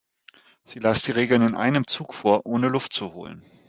Sie las die Regeln in einem Zug vor, ohne Luft zu holen.